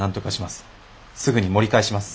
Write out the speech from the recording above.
すぐに盛り返します。